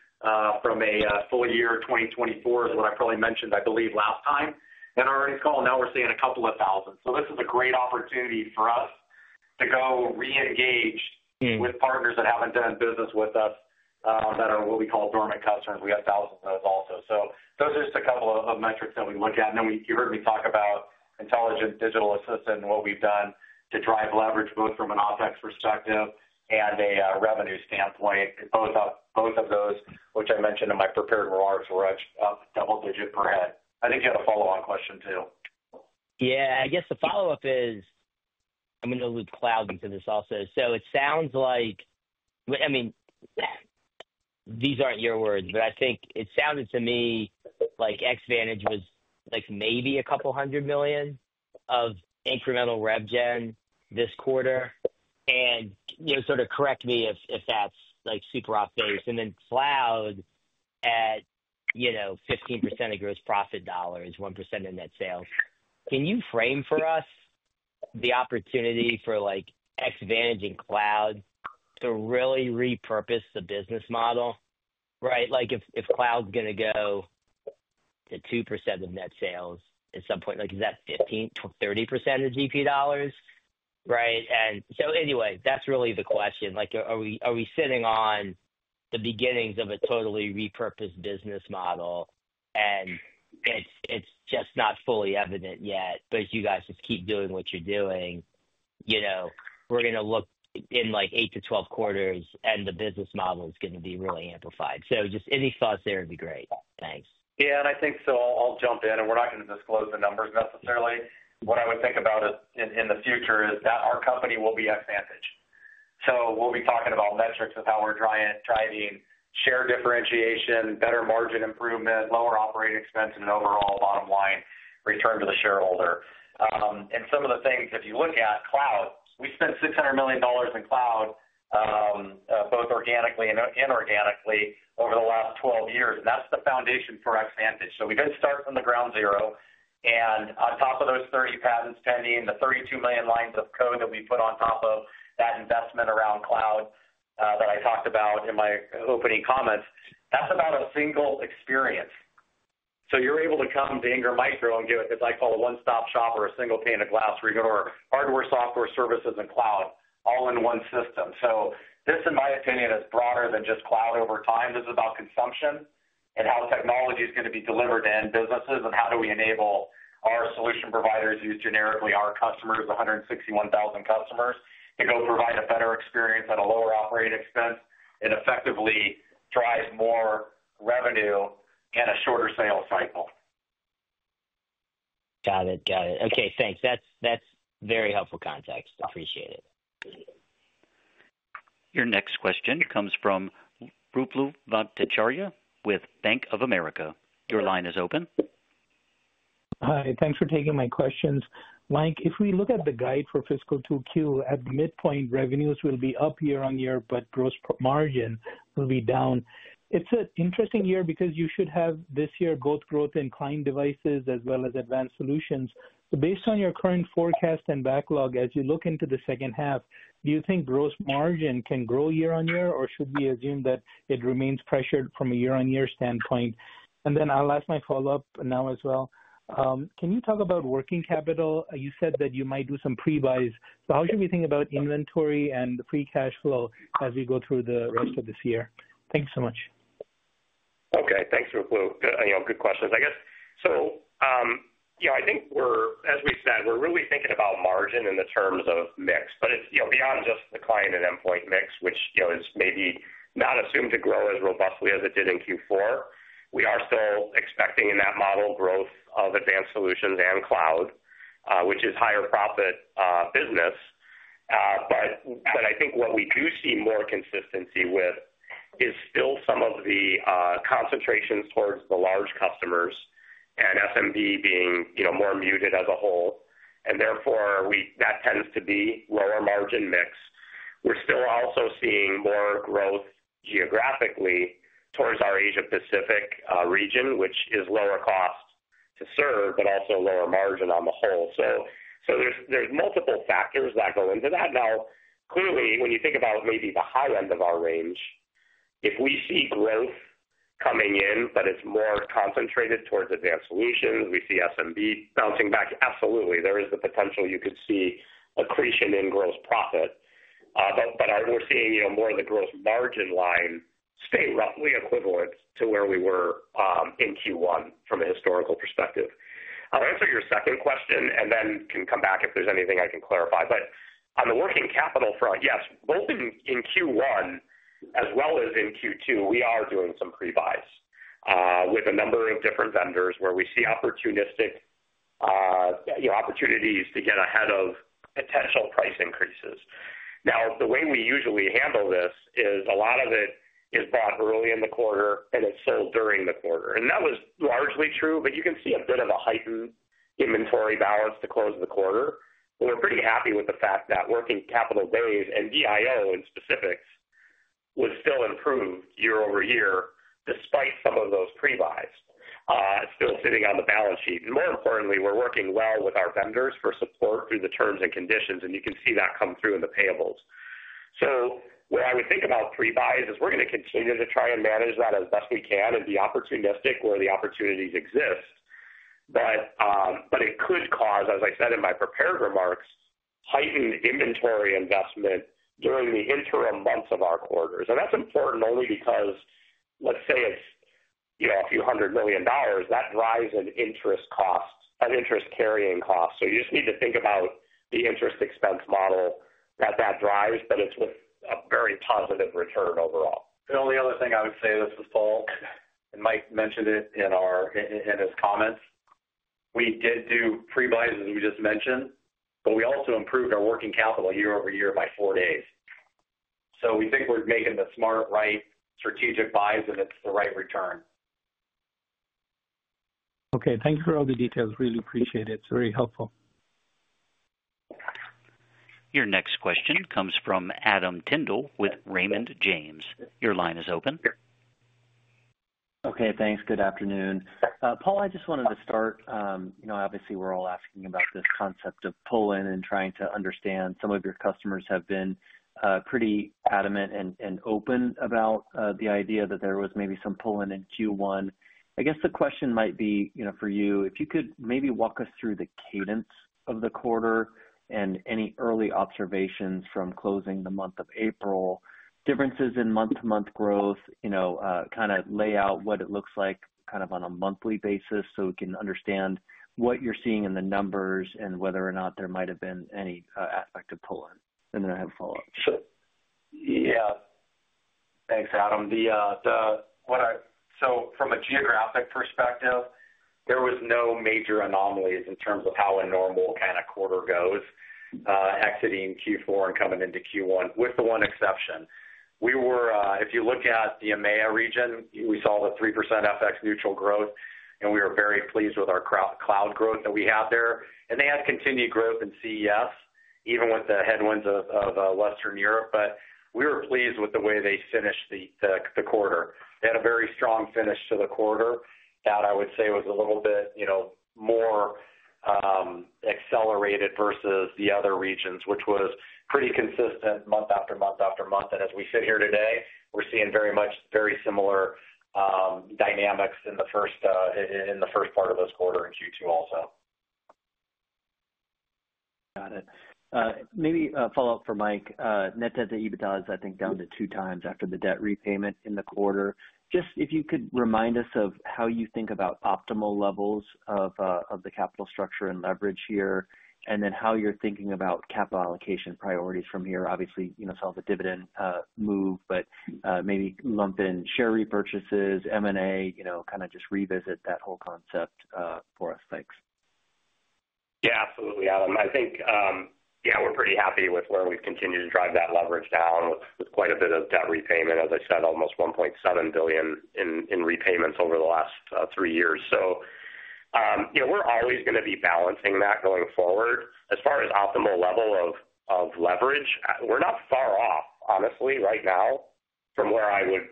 from a full year. 2024 is what I probably mentioned, I believe, last time. Already, Paul, now we're seeing a couple of thousand. This is a great opportunity for us to go re-engage with partners that haven't done business with us that are what we call dormant customers. We have thousands of those also. Those are just a couple of metrics that we look at. And then you heard me talk about intelligent digital assistant and what we've done to drive leverage both from an OpEx perspective and a revenue standpoint. Both of those, which I mentioned in my prepared remarks, were double digit per head. I think you had a follow-on question too. Yeah. I guess the follow-up is, I'm going to loop cloud into this also. It sounds like, I mean, these aren't your words, but I think it sounded to me like Xvantage was maybe a couple hundred million of incremental RevGen this quarter. Sort of correct me if that's super off base. And then cloud at 15% of gross profit dollars, 1% in net sales. Can you frame for us the opportunity for Xvantage and cloud to really repurpose the business model, right? If cloud's going to go to 2% of net sales at some point, is that 15%-30% of GP dollars, right? Anyway, that's really the question. Are we sitting on the beginnings of a totally repurposed business model, and it's just not fully evident yet, but you guys just keep doing what you're doing? We're going to look in like 8-12 quarters, and the business model is going to be really amplified. Just any thoughts there would be great. Thanks. Yeah. I think so. I'll jump in, and we're not going to disclose the numbers necessarily. What I would think about in the future is that our company will be Xvantage. We'll be talking about metrics of how we're driving share differentiation, better margin improvement, lower operating expense, and overall bottom line return to the shareholder. If you look at cloud, we spent $600 million in cloud, both organically and inorganically, over the last 12 years. That is the foundation for Xvantage. We did start from ground zero. On top of those 30 patents pending, the 32 million lines of code that we put on top of that investment around cloud that I talked about in my opening comments, that is about a single experience. You are able to come to Ingram Micro and get what I call a one-stop shop or a single pane of glass where you can order hardware, software, services, and cloud all in one system. In my opinion, this is broader than just cloud over time. This is about consumption and how technology is going to be delivered to end businesses and how do we enable our solution providers—use generically our customers, 161,000 customers—to go provide a better experience at a lower operating expense and effectively drive more revenue and a shorter sales cycle. Got it. Got it. Okay. Thanks. That's very helpful context. Appreciate it. Your next question comes from Ruplu Bhattacharya with Bank of America. Your line is open. Hi. Thanks for taking my questions. Mike, if we look at the guide for fiscal 2Q, at the midpoint, revenues will be up year on year, but gross margin will be down. It's an interesting year because you should have this year both growth in client devices as well as advanced solutions. Based on your current forecast and backlog, as you look into the second half, do you think gross margin can grow year on year, or should we assume that it remains pressured from a year-on-year standpoint? I'll ask my follow-up now as well. Can you talk about working capital? You said that you might do some prebuys. How should we think about inventory and free cash flow as we go through the rest of this year? Thank you so much. Okay. Thanks, Ruplu. Good questions. I guess, I think, as we said, we're really thinking about margin in terms of mix. It's beyond just the client and endpoint mix, which is maybe not assumed to grow as robustly as it did in Q4. We are still expecting in that model growth of advanced solutions and cloud, which is higher profit business. I think what we do see more consistency with is still some of the concentrations towards the large customers and SMB being more muted as a whole. Therefore, that tends to be lower margin mix. We're still also seeing more growth geographically towards our Asia-Pacific region, which is lower cost to serve, but also lower margin on the whole. There are multiple factors that go into that. Now, clearly, when you think about maybe the high end of our range, if we see growth coming in, but it's more concentrated towards advanced solutions, we see SMB bouncing back. Absolutely. There is the potential you could see accretion in gross profit. We're seeing more of the gross margin line stay roughly equivalent to where we were in Q1 from a historical perspective. I'll answer your second question, and then can come back if there's anything I can clarify. On the working capital front, yes. Both in Q1 as well as in Q2, we are doing some prebuys with a number of different vendors where we see opportunistic opportunities to get ahead of potential price increases. Now, the way we usually handle this is a lot of it is bought early in the quarter, and it's sold during the quarter. That was largely true, but you can see a bit of a heightened inventory balance to close the quarter. We're pretty happy with the fact that working capital days and DIO in specifics was still improved year-over-year despite some of those prebuys still sitting on the balance sheet. More importantly, we're working well with our vendors for support through the terms and conditions, and you can see that come through in the payables. What I would think about prebuys is we're going to continue to try and manage that as best we can and be opportunistic where the opportunities exist. It could cause, as I said in my prepared remarks, heightened inventory investment during the interim months of our quarters. That's important only because, let's say, it's a few hundred million dollars. That drives an interest cost, an interest-carrying cost. You just need to think about the interest expense model that that drives, but it's with a very positive return overall. The only other thing I would say, this is Paul, and Mike mentioned it in his comments. We did do prebuys, as we just mentioned, but we also improved our working capital year over year by four days. We think we're making the smart, right, strategic buys, and it's the right return. Okay. Thank you for all the details. Really appreciate it. It's very helpful. Your next question comes from Adam Tindle with Raymond James. Your line is open. Okay. Thanks. Good afternoon. Paul, I just wanted to start. Obviously, we're all asking about this concept of pulling and trying to understand. Some of your customers have been pretty adamant and open about the idea that there was maybe some pulling in Q1. I guess the question might be for you, if you could maybe walk us through the cadence of the quarter and any early observations from closing the month of April, differences in month-to-month growth, kind of lay out what it looks like kind of on a monthly basis so we can understand what you're seeing in the numbers and whether or not there might have been any aspect of pulling. And then I have a follow-up. Sure. Yeah. Thanks, Adam. From a geographic perspective, there was no major anomalies in terms of how a normal kind of quarter goes, exiting Q4 and coming into Q1, with the one exception. If you look at the EMEA region, we saw the 3% FX-neutral growth, and we were very pleased with our cloud growth that we had there. They had continued growth in CES, even with the headwinds of Western Europe. We were pleased with the way they finished the quarter. They had a very strong finish to the quarter that I would say was a little bit more accelerated versus the other regions, which was pretty consistent month after month after month. As we sit here today, we're seeing very similar dynamics in the first part of this quarter in Q2 also. Got it. Maybe a follow-up for Mike. Net debt to EBITDA is, I think, down to two times after the debt repayment in the quarter. Just if you could remind us of how you think about optimal levels of the capital structure and leverage here, and then how you're thinking about capital allocation priorities from here. Obviously, some of the dividend move, but maybe lump in share repurchases, M&A, kind of just revisit that whole concept for us. Thanks. Yeah. Absolutely, Adam. I think, yeah, we're pretty happy with where we've continued to drive that leverage down with quite a bit of debt repayment, as I said, almost $1.7 billion in repayments over the last three years. We're always going to be balancing that going forward. As far as optimal level of leverage, we're not far off, honestly, right now from where I would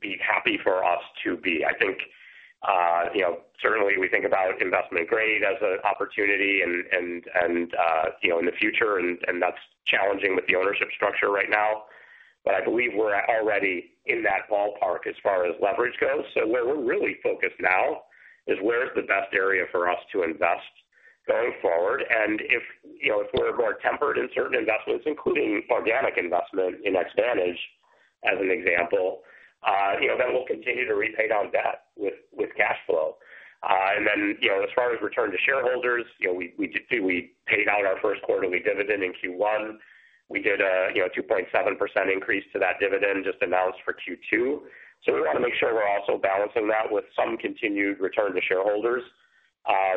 be happy for us to be. I think certainly we think about investment grade as an opportunity in the future, and that's challenging with the ownership structure right now. I believe we're already in that ballpark as far as leverage goes. Where we're really focused now is where's the best area for us to invest going forward. If we're more tempered in certain investments, including organic investment in Xvantage as an example, then we'll continue to repay down debt with cash flow. As far as return to shareholders, we paid out our first quarterly dividend in Q1. We did a 2.7% increase to that dividend just announced for Q2. We want to make sure we're also balancing that with some continued return to shareholders.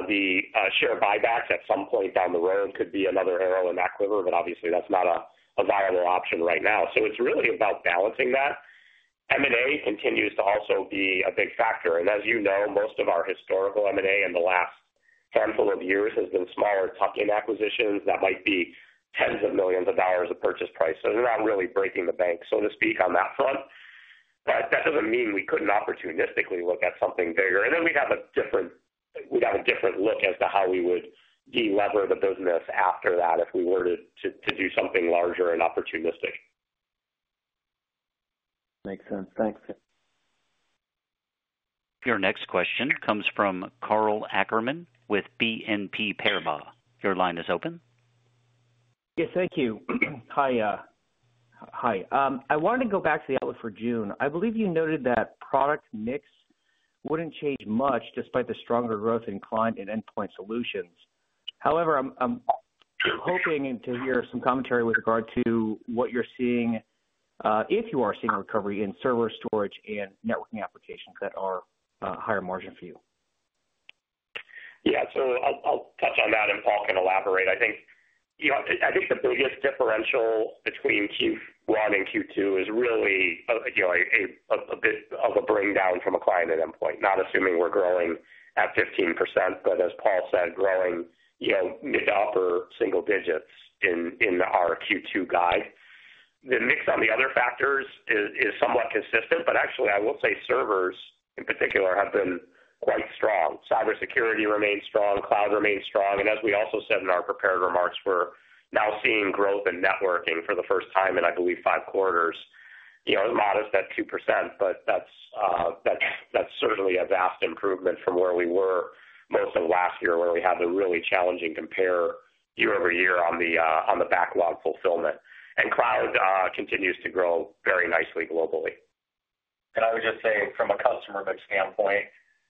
The share buybacks at some point down the road could be another arrow in that quiver, but obviously, that's not a viable option right now. It's really about balancing that. M&A continues to also be a big factor. As you know, most of our historical M&A in the last handful of years has been smaller tuck-in acquisitions that might be tens of millions of dollars of purchase price. They're not really breaking the bank, so to speak, on that front. That doesn't mean we couldn't opportunistically look at something bigger. Then we'd have a different look as to how we would delever the business after that if we were to do something larger and opportunistic. Makes sense. Thanks. Your next question comes from Karl Ackerman with BNP Paribas. Your line is open. Yes. Thank you. Hi. Hi. I wanted to go back to the outlook for June. I believe you noted that product mix wouldn't change much despite the stronger growth in client and endpoint solutions. However, I'm hoping to hear some commentary with regard to what you're seeing, if you are seeing a recovery in server storage and networking applications that are higher margin for you. Yeah. So I'll touch on that, and Paul can elaborate. I think the biggest differential between Q1 and Q2 is really a bit of a bring down from a client endpoint, not assuming we're growing at 15%, but as Paul said, growing mid to upper single digits in our Q2 guide. The mix on the other factors is somewhat consistent, but actually, I will say servers in particular have been quite strong. Cybersecurity remains strong. Cloud remains strong. As we also said in our prepared remarks, we're now seeing growth in networking for the first time in, I believe, five quarters. It's modest at 2%, but that's certainly a vast improvement from where we were most of last year, where we had the really challenging compare year over year on the backlog fulfillment. Cloud continues to grow very nicely globally. I would just say, from a customer mix standpoint,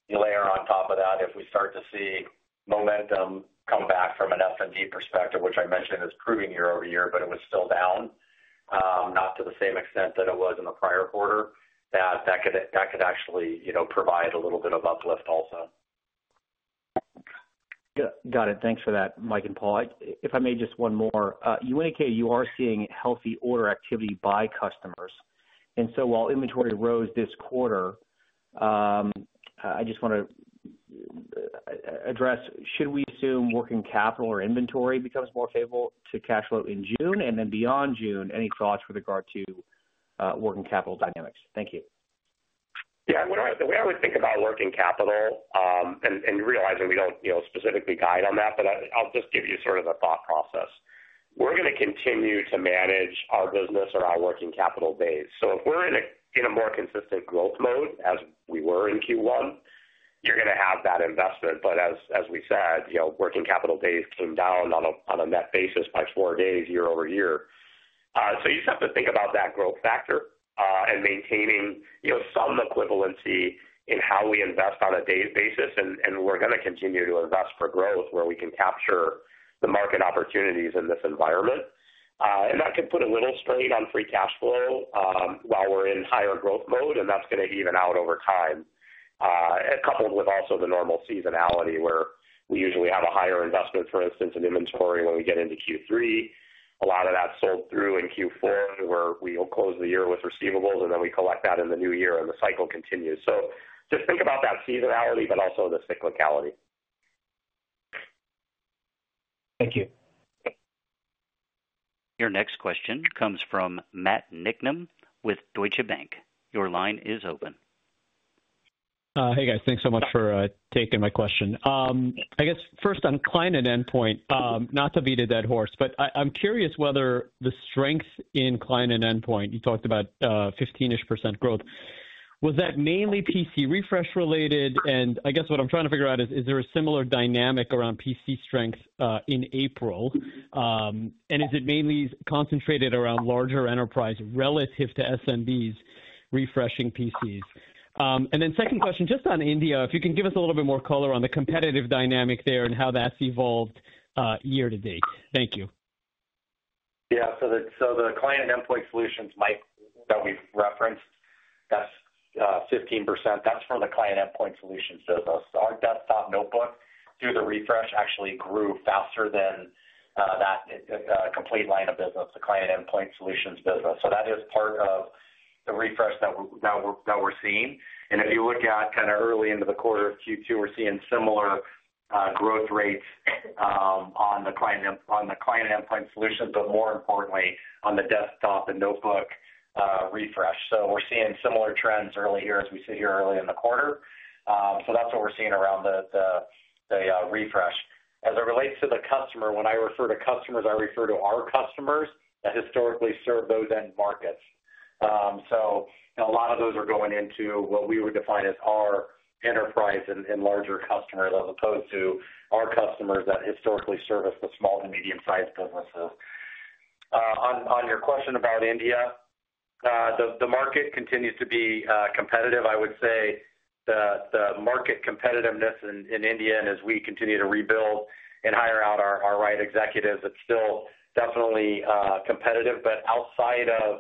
you layer on top of that, if we start to see momentum come back from an SMB perspective, which I mentioned is improving year over year, but it was still down, not to the same extent that it was in the prior quarter, that could actually provide a little bit of uplift also. Got it. Thanks for that, Mike and Paul. If I may, just one more. You indicate you are seeing healthy order activity by customers. While inventory rose this quarter, I just want to address, should we assume working capital or inventory becomes more favorable to cash flow in June? And then beyond June, any thoughts with regard to working capital dynamics? Thank you. Yeah. The way I would think about working capital and realizing we do not specifically guide on that, but I will just give you sort of a thought process. We are going to continue to manage our business around working capital days. If we are in a more consistent growth mode as we were in Q1, you are going to have that investment. As we said, working capital days came down on a net basis by four days year-over-year. You just have to think about that growth factor and maintaining some equivalency in how we invest on a daily basis. We're going to continue to invest for growth where we can capture the market opportunities in this environment. That could put a little strain on free cash flow while we're in higher growth mode, and that's going to even out over time, coupled with also the normal seasonality where we usually have a higher investment, for instance, in inventory when we get into Q3. A lot of that is sold through in Q4, where we'll close the year with receivables, and then we collect that in the new year, and the cycle continues. Just think about that seasonality, but also the cyclicality. Thank you. Your next question comes from Matt Niknam with Deutsche Bank. Your line is open. Hey, guys. Thanks so much for taking my question. I guess, first, on client and endpoint, not to beat a dead horse, but I'm curious whether the strength in client and endpoint, you talked about 15% growth, was that mainly PC refresh related? I guess what I'm trying to figure out is, is there a similar dynamic around PC strength in April? Is it mainly concentrated around larger enterprise relative to SMBs refreshing PCs? Second question, just on India, if you can give us a little bit more color on the competitive dynamic there and how that's evolved year to date. Thank you. Yeah. The client and endpoint solutions that we've referenced, that's 15%. That's for the client endpoint solutions business. Our desktop notebook through the refresh actually grew faster than that complete line of business, the client endpoint solutions business. That is part of the refresh that we're seeing. If you look at kind of early into the quarter of Q2, we're seeing similar growth rates on the client endpoint solutions, but more importantly, on the desktop and notebook refresh. We're seeing similar trends early here as we sit here early in the quarter. That's what we're seeing around the refresh. As it relates to the customer, when I refer to customers, I refer to our customers that historically serve those end markets. A lot of those are going into what we would define as our enterprise and larger customers as opposed to our customers that historically service the small to medium-sized businesses. On your question about India, the market continues to be competitive. I would say the market competitiveness in India, and as we continue to rebuild and hire out our right executives, it's still definitely competitive. Outside of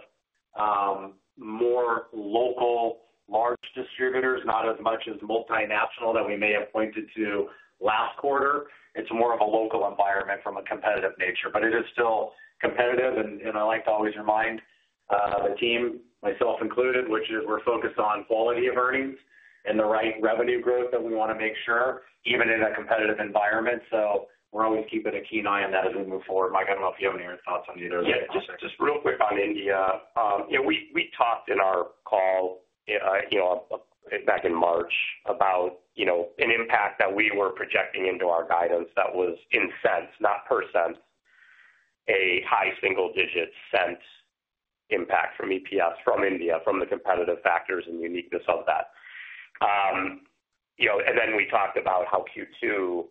more local large distributors, not as much as multinational that we may have pointed to last quarter, it is more of a local environment from a competitive nature. It is still competitive. I like to always remind the team, myself included, which is we are focused on quality of earnings and the right revenue growth that we want to make sure, even in a competitive environment. We are always keeping a keen eye on that as we move forward. Mike, I do not know if you have any other thoughts on either of those questions. Yeah. Just real quick on India. We talked in our call back in March about an impact that we were projecting into our guidance that was in cents, not %, a high single-digit cent impact from EPS from India, from the competitive factors and uniqueness of that. We talked about how Q2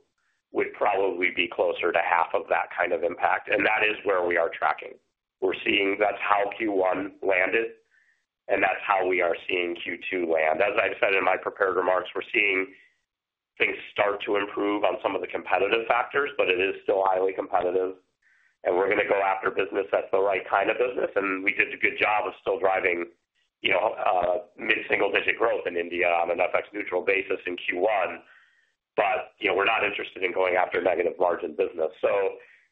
would probably be closer to half of that kind of impact. That is where we are tracking. We're seeing that's how Q1 landed, and that's how we are seeing Q2 land. As I said in my prepared remarks, we're seeing things start to improve on some of the competitive factors, but it is still highly competitive. We're going to go after business that's the right kind of business. We did a good job of still driving mid-single-digit growth in India on an FX-neutral basis in Q1. We're not interested in going after negative margin business.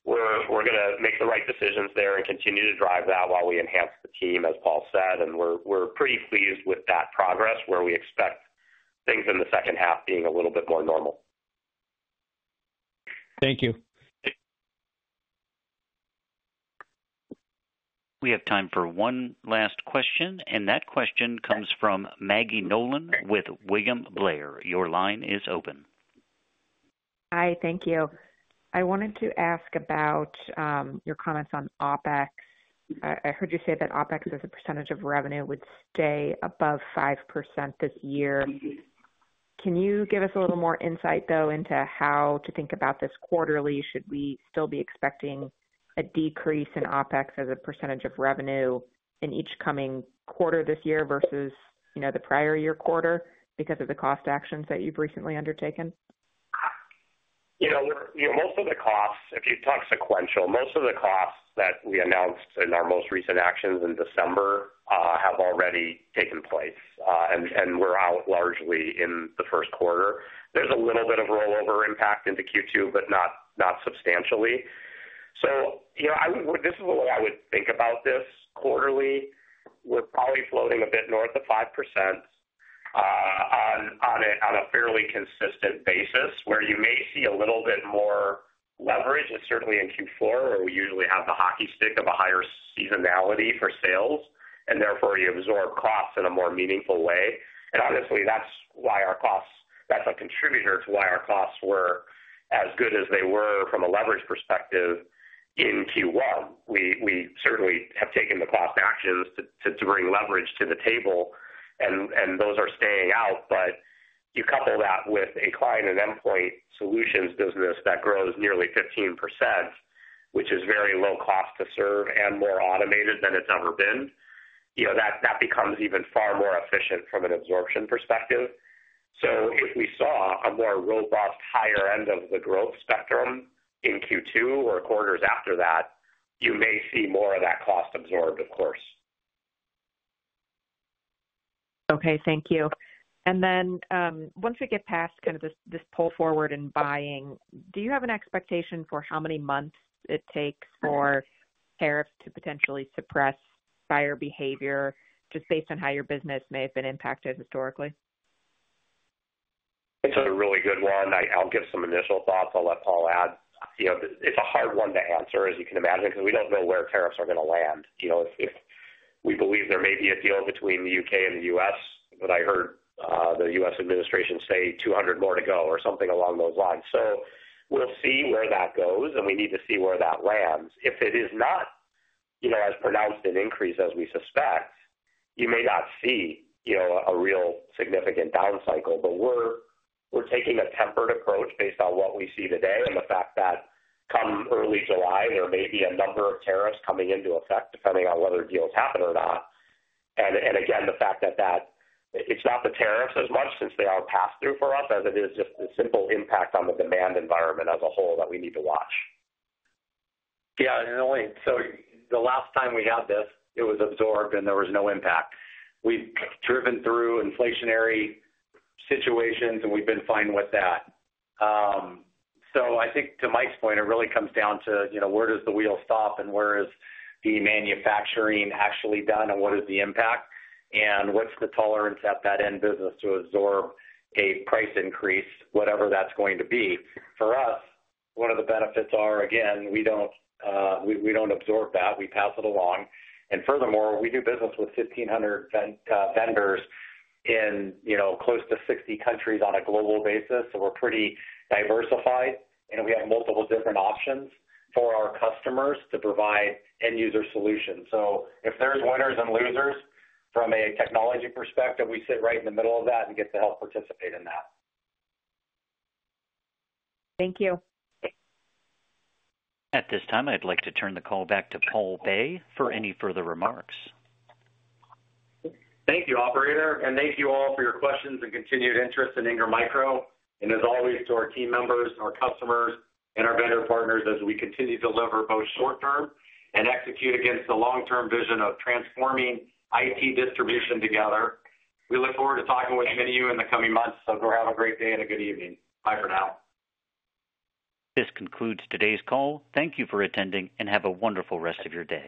We're going to make the right decisions there and continue to drive that while we enhance the team, as Paul said. We're pretty pleased with that progress, where we expect things in the second half being a little bit more normal. Thank you. We have time for one last question. That question comes from Maggie Nolan with William Blair. Your line is open. Hi. Thank you. I wanted to ask about your comments on OPEX. I heard you say that OPEX as a percentage of revenue would stay above 5% this year. Can you give us a little more insight, though, into how to think about this quarterly? Should we still be expecting a decrease in OPEX as a percentage of revenue in each coming quarter this year versus the prior year quarter because of the cost actions that you have recently undertaken? Most of the costs, if you talk sequential, most of the costs that we announced in our most recent actions in December have already taken place. We are out largely in the first quarter. There is a little bit of rollover impact into Q2, but not substantially. This is the way I would think about this quarterly. We're probably floating a bit north of 5% on a fairly consistent basis, where you may see a little bit more leverage. It's certainly in Q4, where we usually have the hockey stick of a higher seasonality for sales. Therefore, you absorb costs in a more meaningful way. Honestly, that's why our costs—that's a contributor to why our costs were as good as they were from a leverage perspective in Q1. We certainly have taken the cost actions to bring leverage to the table, and those are staying out. You couple that with a client and endpoint solutions business that grows nearly 15%, which is very low cost to serve and more automated than it's ever been, that becomes even far more efficient from an absorption perspective. If we saw a more robust higher end of the growth spectrum in Q2 or quarters after that, you may see more of that cost absorbed, of course. Okay. Thank you. Once we get past kind of this pull forward in buying, do you have an expectation for how many months it takes for tariffs to potentially suppress buyer behavior, just based on how your business may have been impacted historically? It's a really good one. I'll give some initial thoughts. I'll let Paul add. It's a hard one to answer, as you can imagine, because we don't know where tariffs are going to land. If we believe there may be a deal between the U.K. and the U.S., but I heard the U.S. administration say 200 more to go or something along those lines. We'll see where that goes, and we need to see where that lands. If it is not as pronounced an increase as we suspect, you may not see a real significant down cycle. We're taking a tempered approach based on what we see today and the fact that come early July, there may be a number of tariffs coming into effect, depending on whether deals happen or not. The fact that it's not the tariffs as much, since they are pass-through for us, as it is just the simple impact on the demand environment as a whole that we need to watch. Yeah. Only, the last time we had this, it was absorbed, and there was no impact. We've driven through inflationary situations, and we've been fine with that. I think to Mike's point, it really comes down to where does the wheel stop, and where is the manufacturing actually done, and what is the impact? What's the tolerance at that end business to absorb a price increase, whatever that's going to be? For us, one of the benefits are, again, we don't absorb that. We pass it along. Furthermore, we do business with 1,500 vendors in close to 60 countries on a global basis. We're pretty diversified, and we have multiple different options for our customers to provide end-user solutions. If there's winners and losers, from a technology perspective, we sit right in the middle of that and get to help participate in that. Thank you. At this time, I'd like to turn the call back to Paul Bay for any further remarks. Thank you, Operator. Thank you all for your questions and continued interest in Ingram Micro. As always, to our team members, our customers, and our vendor partners as we continue to deliver both short-term and execute against the long-term vision of transforming IT distribution together. We look forward to talking with many of you in the coming months. Go have a great day and a good evening. Bye for now. This concludes today's call. Thank you for attending, and have a wonderful rest of your day.